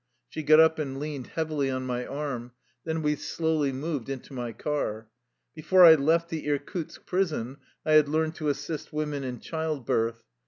She got up and leaned heavily on my arm. Then we slowly moved into my car. Before I left the Irkutsk prison, I had learned to assist women in child birth.